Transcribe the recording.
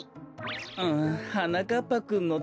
うんはなかっぱくんのためか。